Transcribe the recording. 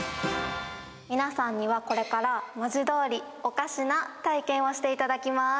皆さんにはこれから、文字どおりおかしな体験をしていただきます。